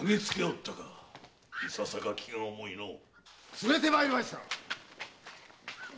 ・連れてまいりました！